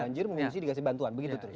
banjir mengungsi dikasih bantuan begitu terus